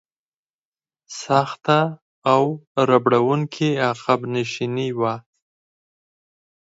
سخته او ربړونکې عقب نشیني وه.